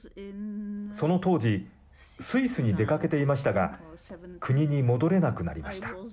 その当時スイスに出かけていましたが国に戻れなくなりました。